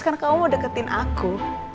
karena kamu mau deketin aku